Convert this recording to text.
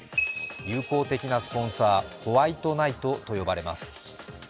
友好的なスポンサー、ホワイトナイトと呼ばれます。